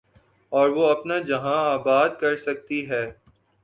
اور وہ اپنا جہاں آباد کر سکتی ہے۔